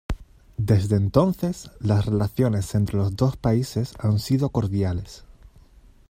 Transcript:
Desde entonces, las relaciones entre los dos países han sido cordiales.